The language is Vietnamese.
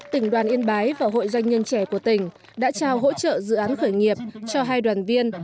tỉnh đoàn yên bái và hội doanh nhân trẻ của tỉnh đã trao hỗ trợ dự án khởi nghiệp cho hai đoàn viên